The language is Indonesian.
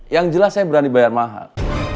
yang jelas saya berani bayar mahal